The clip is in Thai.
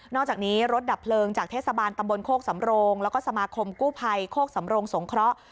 อกจากนี้รถดับเพลิงจากเทศบาลตำบลโคกสำโรงแล้วก็สมาคมกู้ภัยโคกสำโรงสงเคราะห์